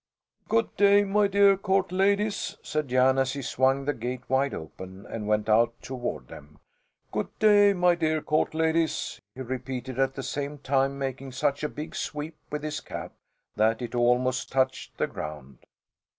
"Go' day, my dear Court ladies," said Jan as he swung the gate wide open and went out toward them. "Go' day, my dear Court ladies," he repeated, at the same time making such a big sweep with his cap that it almost touched the ground.